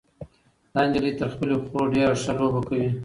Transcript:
دا نجلۍ تر خپلې خور ډېره ښه لوبه کوي.